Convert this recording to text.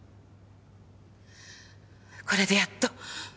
これでやっと。